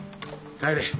帰れ。